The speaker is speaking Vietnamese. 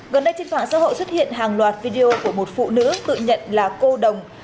gần đây trên mạng xã hội xuất hiện hàng loạt video của một phụ nữ tự nhận là cô đồng